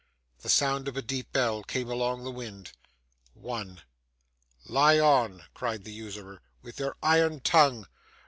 The sound of a deep bell came along the wind. One. 'Lie on!' cried the usurer, 'with your iron tongue!